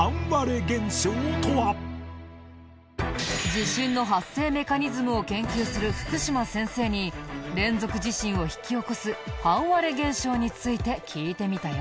地震の発生メカニズムを研究する福島先生に連続地震を引き起こす半割れ現象について聞いてみたよ。